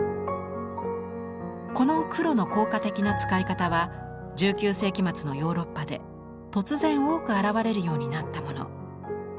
この黒の効果的な使い方は１９世紀末のヨーロッパで突然多く現れるようになったもの。